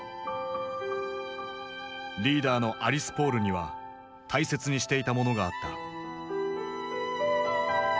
リーダーのアリス・ポールには大切にしていたものがあった。